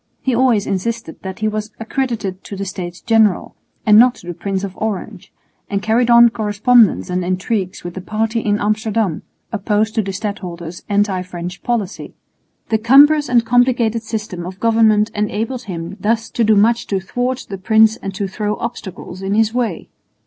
He always insisted that he was accredited to the States General and not to the Prince of Orange, and carried on correspondence and intrigues with the party in Amsterdam opposed to the stadholder's anti French policy. The cumbrous and complicated system of government enabled him thus to do much to thwart the prince and to throw obstacles in his way.